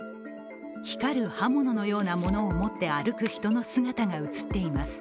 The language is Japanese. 光る刃物のようなものを持って歩く人の姿が映っています。